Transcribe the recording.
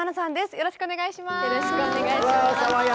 よろしくお願いします。